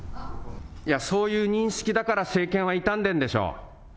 いや、そういう認識だから政権は傷んでんでしょう。